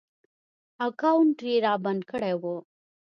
اکاونټ ېې رابند کړی و